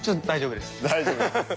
「大丈夫です」。